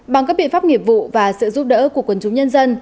bằng các biện pháp nghiệp vụ và sự giúp đỡ của quần chúng nhân dân